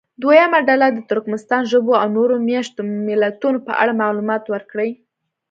دویمه ډله دې د ترکمنستان ژبو او نورو مېشتو ملیتونو په اړه معلومات ورکړي.